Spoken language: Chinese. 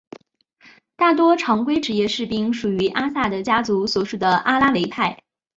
大多常规职业士兵属于阿萨德家族所属的阿拉维派。